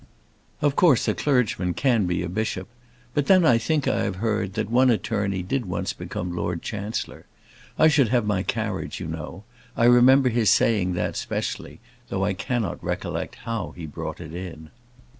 Of course, a clergyman can be a bishop; but then, I think I have heard that one attorney did once become Lord Chancellor. I should have my carriage, you know; I remember his saying that, especially, though I cannot recollect how he brought it in.